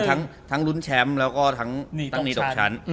ทั้งรุ้นแชมป์แล้วก็ทั้งนี้ตกชั้น